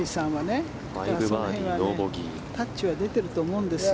その辺はタッチは出ていると思うんですよ。